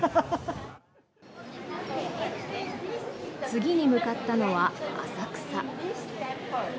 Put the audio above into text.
次に向かったのは浅草。